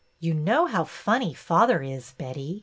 ''' You know how funny father is, Betty.